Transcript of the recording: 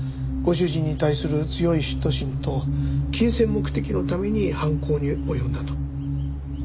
ご主人に対する強い嫉妬心と金銭目的のために犯行に及んだと。